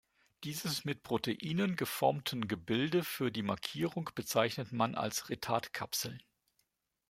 Dieses mit Proteinen geformten Gebilde für die Markierung bezeichnet man als „Retard-Kapseln“.